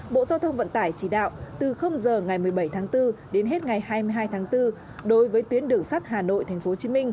bộ giao thông vận tải chỉ đạo từ giờ ngày một mươi bảy tháng bốn đến hết ngày hai mươi hai tháng bốn đối với tuyến đường sắt hà nội tp hcm